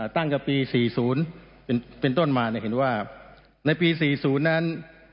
ตั้งแต่ปี๔๐เป็นต้นมาเห็นว่าในปี๔๐นั้น